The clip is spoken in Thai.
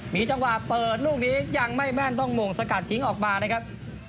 มีจังหวะเปิดลูกนี้ยังไม่แม่นต้องมงสกัดทิ้งออกมานะครับ